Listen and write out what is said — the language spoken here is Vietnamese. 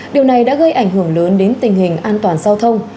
điều này đã gây ảnh hưởng lớn đến tình hình an toàn giao thông